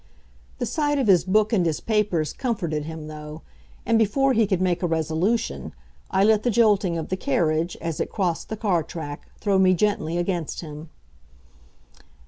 The sight of his book and his papers comforted him, though, and before he could make a resolution, I let the jolting of the carriage, as it crossed the car track, throw me gently against him.